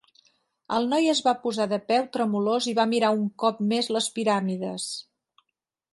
El noi es va posar de peu tremolós i va mirar un cop més les piràmides.